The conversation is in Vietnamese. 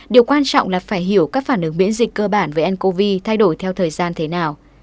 điều quan trọng là phải hiểu các phản ứng miễn dịch cơ bản với ncov thay đổi theo thời gian thế nào